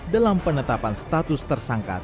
dalam penetapan status tersangka